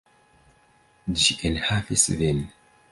Ĝi enhavis vin.